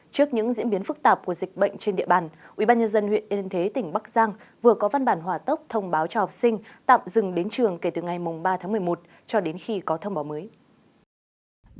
trước những diễn biến phức tạp của dịch bệnh trên địa bàn ubnd huyện yên thế tỉnh bắc giang vừa có văn bản hòa tốc thông báo cho học sinh tạm dừng đến trường kể từ ngày ba tháng một mươi một cho đến khi có thông báo mới